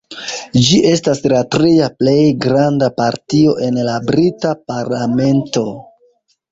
Ĝi estas la tria plej granda partio en la brita parlamento.